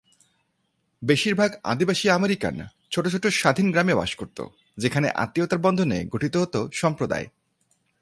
বেশির ভাগ আদিবাসী আমেরিকান ছোট ছোট স্বাধীন গ্রামে বাস করত, যেখানে আত্মীয়তার বন্ধনে গঠিত হত সম্প্রদায়।